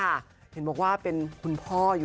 เอาจริงหนี่ว่าหลบพอกันเลย